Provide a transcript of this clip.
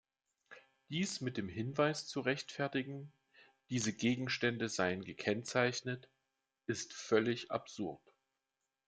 Dies mit dem Hinweis zu rechtfertigen, diese Gegenstände seien gekennzeichnet, ist völlig absurd.